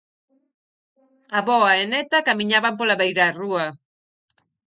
Avoa e neta camiñaban pola beirarrúa.